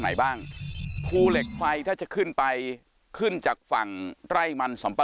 ไหนบ้างภูเหล็กไฟถ้าจะขึ้นไปขึ้นจากฝั่งไร่มันสัมปะ